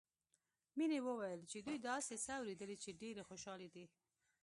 مينې وويل چې دوي داسې څه اورېدلي چې ډېرې خوشحاله دي